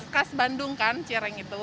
kas bandung kan cireng itu jadi suka